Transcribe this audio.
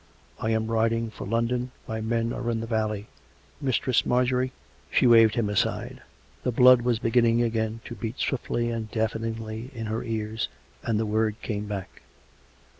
I am riding for London. My men are in the valley. Mistress Mar jorie " She waved him aside. The blood was beginning again to beat swiftly and deafeningly in her ears, and the word came back.